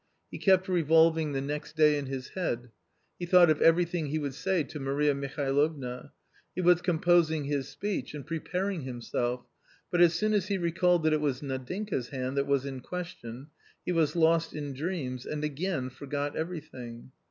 He kept revolving the next day in his head ; he thought of everything he would say to Maria Mihalovna; he was composing his speech and preparing him self, but as soon as he recalled that it was Nadinka's hand that was in question, he was lost in dreams and again forgot every thing.